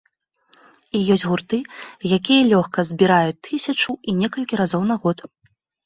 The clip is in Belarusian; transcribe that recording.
І ёсць гурты, якія лёгка збіраюць тысячу, і некалькі разоў на год.